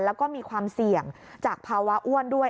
แล้วก็มีความเสี่ยงจากภาวะอ้วนด้วย